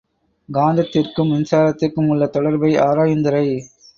காந்தத்திற்கும் மின்சாரத்திற்கும் உள்ள தொடர்பை ஆராயுந்துறை.